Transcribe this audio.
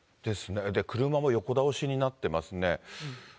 車も横倒しになっていますね。